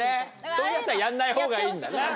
そういうヤツはやんない方がいいんだな。